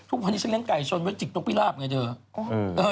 ทุกวันนี้ฉันเลี้ยไก่ชนไว้จิกนกพิราบไงเธอ